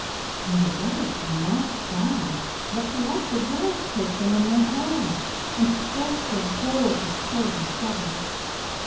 And the birds were not shy, but let the girls take them in their hands, and stroke their gold and silver feathers.